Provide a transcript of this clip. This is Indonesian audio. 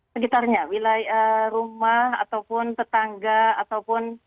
sekitarnya wilayah rumah ataupun tetangga ataupun